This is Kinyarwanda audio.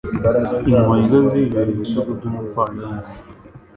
inkoni zo zibereye ibitugu by’umupfayongo